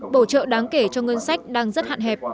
bổ trợ đáng kể cho ngân sách đang rất hạn hẹp